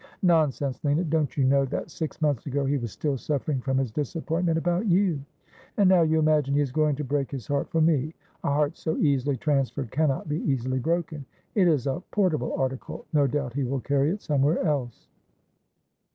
' Nonsense, Lina. Don't you know that six months ago he was still suffering from his disappointment about you ? and now you imagine he is going to break his heart for me. A heart so easily transferred cannot be easily broken. It is a portable article. No doubt he will carry it somewhere else.'